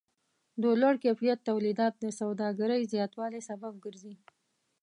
د لوړ کیفیت تولیدات د سوداګرۍ زیاتوالی سبب ګرځي.